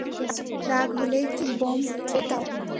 রাগ হলেই কি তুমি বোম্ব থ্রেট দাও?